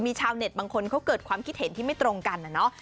มีชาวเน็ตบางคนเขาเกิดความคิดเห็นที่ไม่ตรงกันนะเนาะ